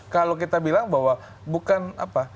kalau kita bilang bahwa bukan apa